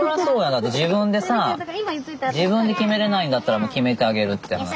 だって自分でさ自分で決めれないんだったら決めてあげるって話。